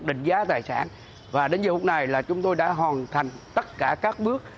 định giá tài sản và đến giờ hôm nay là chúng tôi đã hoàn thành tất cả các bước